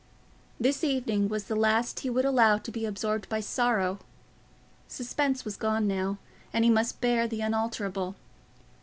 This evening was the last he would allow to be absorbed by sorrow: suspense was gone now, and he must bear the unalterable.